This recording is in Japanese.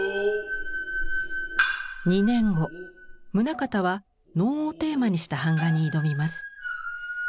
２年後棟方は能をテーマにした板画に挑みます。